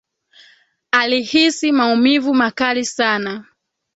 Alihisi maumivu makali sana